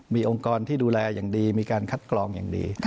มีองค์กรที่ดูแลอย่างดีมีการคัดกรองอย่างดี